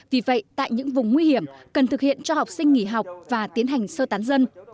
vì vậy tại những vùng nguy hiểm cần thực hiện cho học sinh nghỉ học và tiến hành sơ tán dân